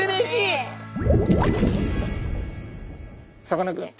さかなクン。